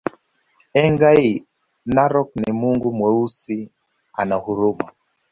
Engai Narok ni mungu Mweusi ana huruma